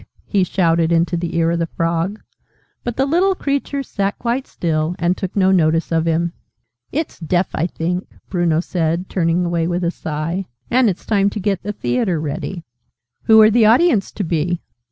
he shouted into the ear of the Frog: but the little creature sat quite still, and took no notice of him. "It's deaf, I think!" Bruno said, turning away with a sigh. "And it's time to get the Theatre ready." "Who are the audience to be?"